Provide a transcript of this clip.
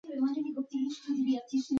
پنېر له زیتون، مرچ او سبزیو سره یوځای کېږي.